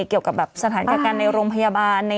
เกี่ยวกับแบบสถานการณ์การในโรงพยาบาล